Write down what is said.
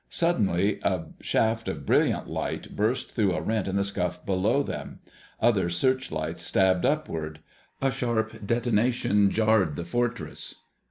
Suddenly a shaft of brilliant light burst through a rent in the scuff below them. Other searchlights stabbed upward. A sharp detonation jarred the Fortress.